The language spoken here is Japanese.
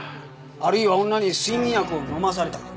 あるいは女に睡眠薬を飲まされたか。